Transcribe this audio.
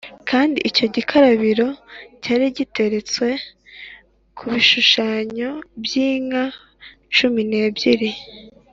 Kandi icyo gikarabiro cyari giteretswe ku bishushanyo by’inka cumi n’ebyiri